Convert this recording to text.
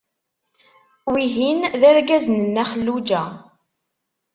Wihin d argaz n Nna Xelluǧa.